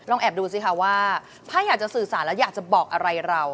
แอบดูสิคะว่าถ้าอยากจะสื่อสารแล้วอยากจะบอกอะไรเรา